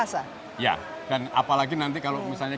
ya dan apalagi nanti kalau misalnya